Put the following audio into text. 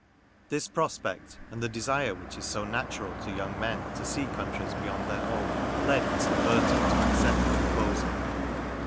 This prospect, and the desire which is so natural to young men, to see countries beyond their own, led Mr. Burton to accept the proposal.